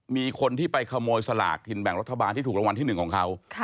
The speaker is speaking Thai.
มีคนที่ไปขโมยสลากกินแบ่งรัฐบาลที่ถูกรางวัลที่๑ของเขา